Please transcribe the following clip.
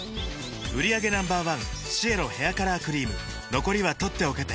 売上№１シエロヘアカラークリーム残りは取っておけて